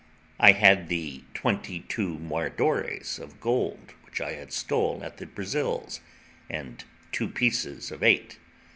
I had the twenty two moidores of gold which I had stole at the Brazils, and two pieces of eight.